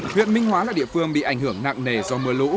huyện minh hóa là địa phương bị ảnh hưởng nặng nề do mưa lũ